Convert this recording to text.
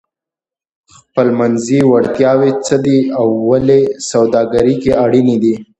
خپلمنځي وړتیاوې څه دي او ولې سوداګري کې اړینې دي؟